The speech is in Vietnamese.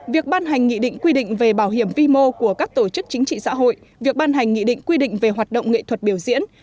việc ban hành nghị định quy định về bảo hiểm vi mô của các tổ chức chính trị xã hội việc ban hành nghị định quy định về hoạt động nghệ thuật biểu diễn